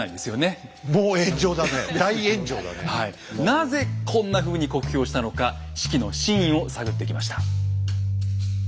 なぜこんなふうに酷評したのか子規の真意を探ってきました。